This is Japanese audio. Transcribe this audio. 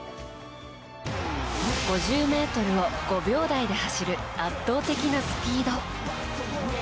５０ｍを５秒台で走る圧倒的なスピード。